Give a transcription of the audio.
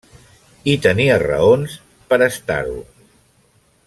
I tenia raons per estar-ho.